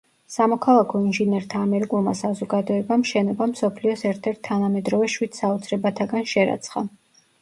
სამოქალაქო ინჟინერთა ამერიკულმა საზოგადოებამ შენობა მსოფლიოს ერთ-ერთ თანამედროვე შვიდ საოცრებათაგან შერაცხა.